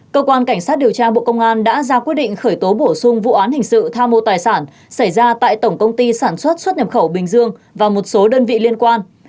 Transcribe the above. cơ quan cảnh sát điều tra bộ công an đã ra quyết định khởi tố bổ sung vụ án hình sự tha mô tài sản xảy ra tại tổng công ty sản xuất xuất nhập khẩu bình dương và một số đơn vị liên quan